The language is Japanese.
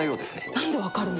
なんで分かるの？